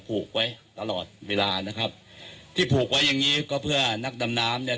ผูกไว้ตลอดเวลานะครับที่ผูกไว้อย่างงี้ก็เพื่อนักดำน้ำเนี่ย